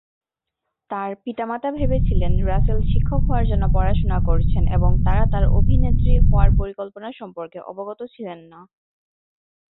তার পিতামাতা ভেবেছিলেন রাসেল শিক্ষক হওয়ার জন্য পড়াশোনা করছেন এবং তারা তার অভিনেত্রী হওয়ার পরিকল্পনা সম্পর্কে অবগত ছিলেন না।